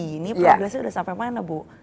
ini progresnya sudah sampai mana bu